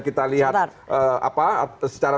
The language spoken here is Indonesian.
kita lihat secara